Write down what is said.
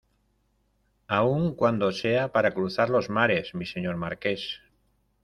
aun cuando sea para cruzar los mares, mi Señor Marqués.